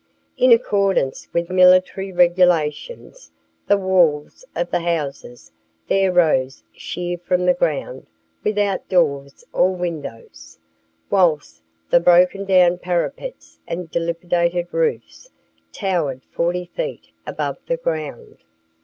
In accordance with military regulations, the walls of the houses there rose sheer from the ground without doors or windows, whilst the broken down parapets and dilapidated roofs towered forty feet above the ground.